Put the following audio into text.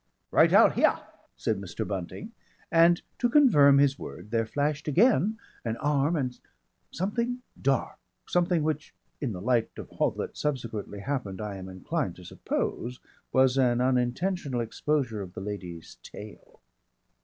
"Right out hea!" said Mr. Bunting, and to confirm his word there flashed again an arm and "something dark" something which in the light of all that subsequently happened I am inclined to suppose was an unintentional exposure of the Lady's tail.